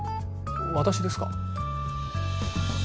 私ですか？